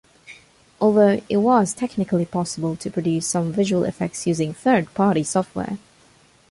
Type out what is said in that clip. Although it was technically possible to produce some visual effects using third-party software.